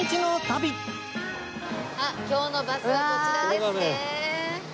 今日のバスはこちらですね。